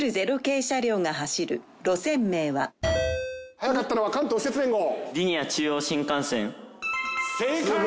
早かったのは関東私鉄連合。